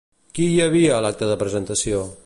Qui hi havia a l'acte de presentació?